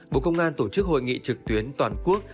bộ công an tổ chức hội nghị trực tuyến toàn quốc